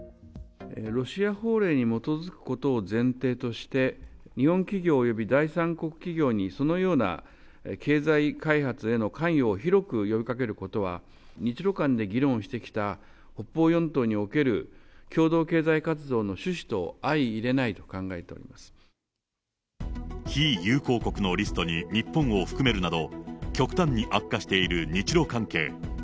ロシア法令に基づくことを前提として、日本企業および第三国企業にそのような経済開発への関与を広く呼びかけることは、日ロ間で議論してきた北方四島における共同経済活動の趣旨と相いれないと考えておりま非友好国のリストに日本を含めるなど、極端に悪化している日ロ関係。